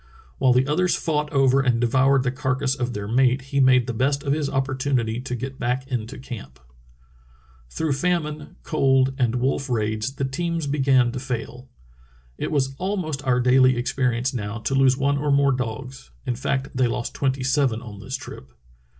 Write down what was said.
While the others fought over and devoured the carcass of their mate he made the best of his opportunity to get back into camp." Through famine, cold, and wolf raids the teams be gan to fail. It was almost our daily experience now to lose one or more dogs [in fact, they lost tvventy sevep on this trip].